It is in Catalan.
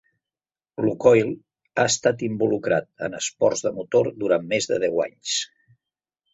Lukoil ha estat involucrat en esports de motor durant més de deu anys.